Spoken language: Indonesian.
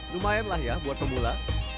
lumayanlah ya buat pemula